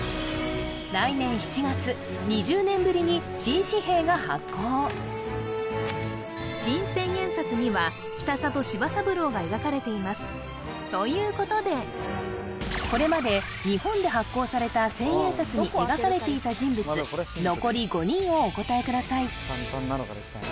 来年７月２０年ぶりに新紙幣が発行新１０００円札には北里柴三郎が描かれていますということでこれまで日本で発行された１０００円札に描かれていた人物残り５人をお答えください